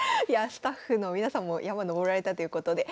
スタッフの皆さんも山登られたということで。